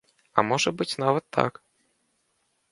А можа быць нават так.